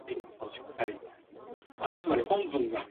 Alekos Alavanos is an economist.